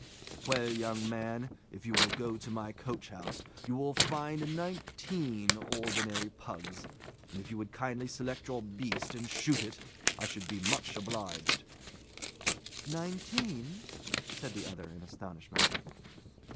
"Well, young man, if you will go to my coachhouse, you will find nineteen ordinary pugs; and if you would kindly select your beast, and shoot it, I should be much obliged." "Nineteen?" said the other, in astonishment.